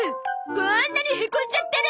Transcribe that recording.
こんなにへこんじゃってる！